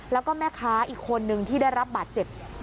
แล้วก็แม่ค้าอีกคนนึงที่ได้รับบาดเจ็บ